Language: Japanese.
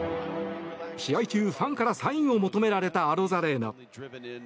試合中ファンからサインを求められたアロザレーナ。